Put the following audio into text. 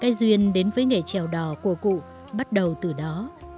cái duyên đến với nghệ trèo đỏ của cụ bắt đầu từ đó